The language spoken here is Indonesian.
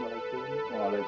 saya menunggu bapak di luar